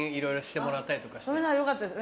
よかったです